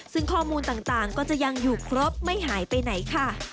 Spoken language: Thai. ซึ่งข้อมูลต่างก็จะยังอยู่ครบไม่หายไปไหนค่ะ